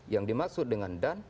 yang dimaksud dengan dan